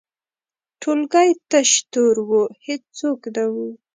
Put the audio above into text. ټولګی تش تور و، هیڅوک نه وو.